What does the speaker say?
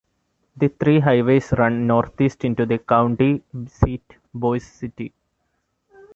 The three highways run northeast into the county seat, Boise City.